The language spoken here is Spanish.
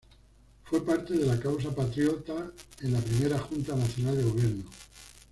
Fue parte de la causa patriota en la Primera Junta Nacional de Gobierno.